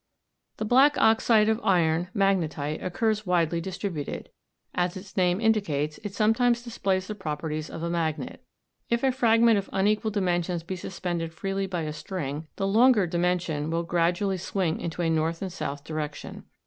The black oxide of iron, magnetite, occurs widely distributed. As its name indicates, it sometimes displays the properties of a magnet. If a fragment of unequal dimensions be suspended freely by a string, the longer dimension will gradually swing into a north and south direction.